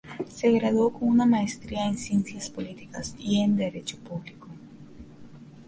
Se graduó con una Maestría en Ciencias Políticas y en Derecho Público.